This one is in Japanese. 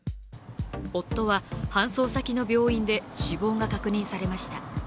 夫は搬送先の病院で死亡が確認されました。